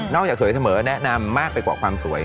จากสวยเสมอแนะนำมากไปกว่าความสวย